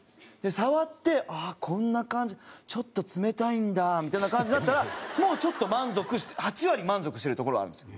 触ってあっこんな感じちょっと冷たいんだみたいな感じだったらもうちょっと満足８割満足してるところあるんですよ。